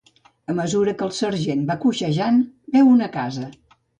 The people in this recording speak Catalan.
A mesura que el sergent va coixejant, veu una casa.